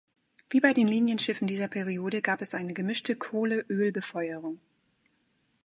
Wie bei den Linienschiffen dieser Periode gab es eine gemischte Kohle-Öl-Befeuerung.